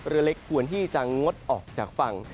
เรือเล็กควรที่จะงดออกจากฝั่ง